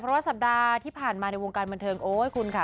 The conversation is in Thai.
เพราะว่าสัปดาห์ที่ผ่านมาในวงการบันเทิงโอ๊ยคุณค่ะ